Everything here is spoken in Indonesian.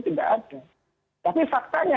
tidak ada tapi faktanya